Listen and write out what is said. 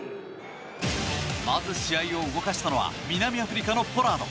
まず試合を動かしたのは南アフリカのポラード。